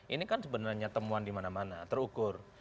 ini kan sebenarnya temuan di mana mana terukur